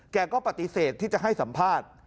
แกก็ปฏิเสธที่จะให้สัมภาษณ์